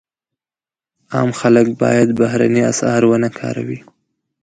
عام خلک باید بهرني اسعار ونه کاروي.